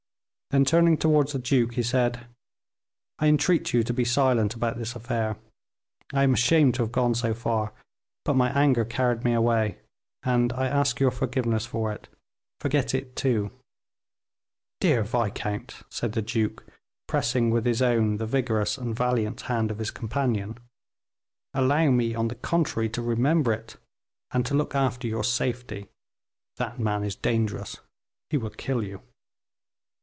Then, turning towards the duke, he said, "I entreat you to be silent about this affair; I am ashamed to have gone so far, but my anger carried me away, and I ask your forgiveness for it; forget it, too." "Dear viscount," said the duke, pressing with his own the vigorous and valiant hand of his companion, "allow me, on the contrary, to remember it, and to look after your safety; that man is dangerous, he will kill you."